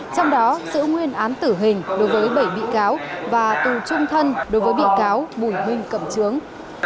trong đó giữ nguyên án tử hình đối với bảy bị cáo và tù trung thân đối với bị cáo bùi minh cẩm trướng